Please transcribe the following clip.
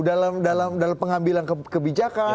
dalam pengambilan kebijakan